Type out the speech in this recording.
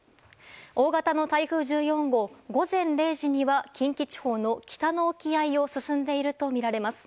大型の台風１４号午前０時には近畿地方の北の沖合を進んでいるとみられます。